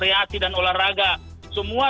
reaksi dan olahraga semua